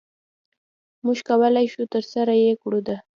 مونږ کولی شو ترسره يي کړو د